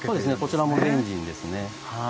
こちらもベンジンですね。